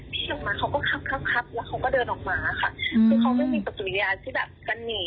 พี่ออกมาเขาก็ครับครับแล้วเขาก็เดินออกมาค่ะ